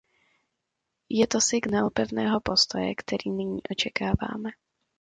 Je to signál pevného postoje, který nyní očekáváme.